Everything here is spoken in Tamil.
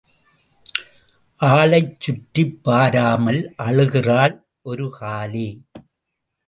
ஆளைச் சுற்றிப் பாராமல் அழுகிறாள் ஒரு காலே.